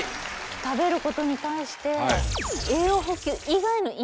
食べることに対してうん。